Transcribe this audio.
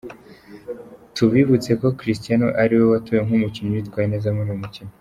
Tubibutse ko Christiano ariwe watowe nk’umukinnyi witwaye neza muri uyu mukino.